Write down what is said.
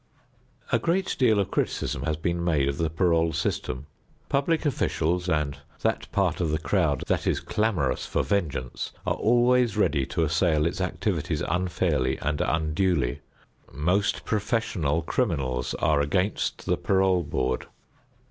A great deal of criticism has been made of the parole system. Public officials and that part of the crowd that is clamorous for vengeance are always ready to assail its activities unfairly and unduly. Most professional criminals are against the parole board.